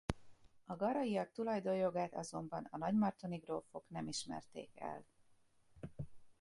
A Garayak tulajdonjogát azonban a Nagymartoni grófok nem ismerték el.